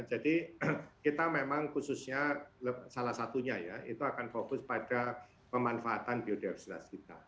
jadi kita memang khususnya salah satunya ya itu akan fokus pada pemanfaatan biodiversitas kita